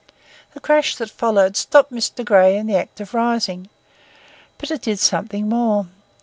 The crash that followed stopped Mr. Grey in the act of rising. But it did something more.